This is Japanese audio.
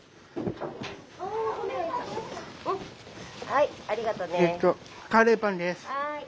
はい。